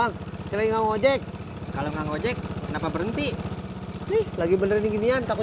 kalau nggak ngejek kenapa berhenti lagi benerin ginian takut